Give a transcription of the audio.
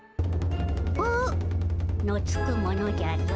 「ぷ」のつくものじゃぞ。